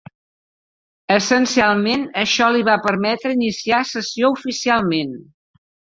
Essencialment, això li va permetre iniciar sessió oficialment.